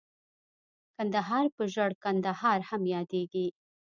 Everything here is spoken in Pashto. کندهار په ژړ کندهار هم ياديږي.